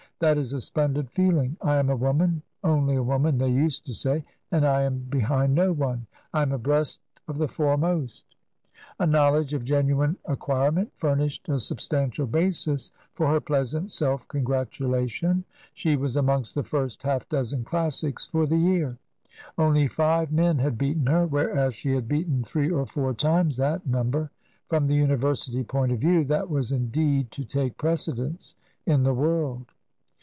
That is a splendid feeling. I am a woman —*' only a woman/ they used to say — and I am behind no one. I am abreast of the fore most." A knowledge of genuine acquirement furnished a sub stantial basis for her pleasant self congratulation. She was amongst the first half dozen classics for the year ; only five men had beaten her, whereas she had beaten three or four times that number. From the University point of view that was indeed to take precedence in the world.